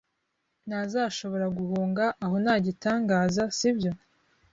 Ntazashobora guhunga aho nta gitangaza, sibyo?